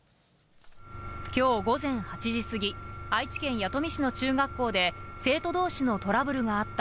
きょう午前８時過ぎ、愛知県弥富市の中学校で、生徒どうしのトラブルがあった。